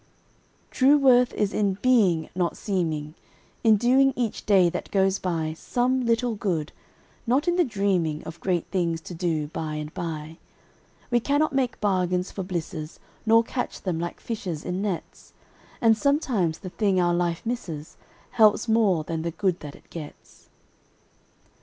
'"TRUE worth is in being, not seeming In doing each day that goes by Some little good not in the dreaming Of great things to do by and by. We cannot make bargains for blisses, Nor catch them, like fishes, in nets; And sometimes the thing our life misses Helps more than the good that it gets.